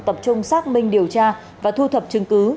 tập trung xác minh điều tra và thu thập chứng cứ